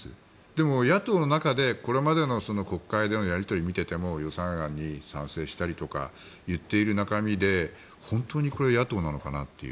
でも、野党の中でこれまでの国会でのやり取りを見ていても予算案に賛成したりとか言っている中身で本当にこれ、野党なのかなと。